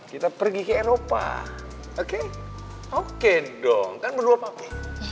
kita pergi ke eropa oke oke dong kan berdua apa apa